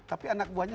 tapi anak buahnya